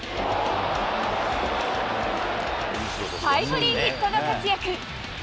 タイムリーヒットの活躍。